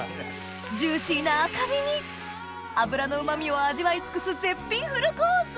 ジューシーな赤身に脂のうま味を味わい尽くす絶品フルコース・